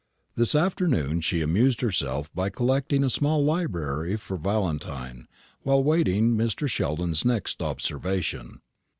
This afternoon she amused herself by collecting a small library for Valentine, while waiting Mr. Sheldon's next observation.